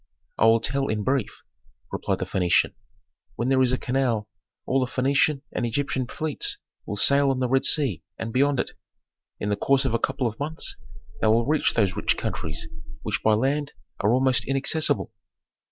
"I will tell in brief," replied the Phœnician. "When there is a canal all the Phœnician and Egyptian fleets will sail on the Red Sea and beyond it; in the course of a couple of months they will reach those rich countries which by land are almost inaccessible.